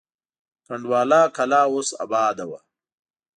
کنډواله کلا اوس اباده وه.